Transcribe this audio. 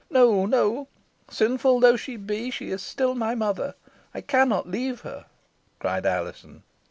"No, no; sinful though she be, she is still my mother. I cannot leave her," cried Alizon.